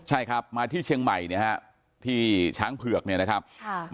ใช่ครับมาที่เชียงใหม่เนี่ยฮะที่ช้างเผือกเนี่ยนะครับค่ะ